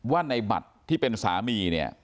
ว่าในบัตรที่เป็นสามีเนี่ย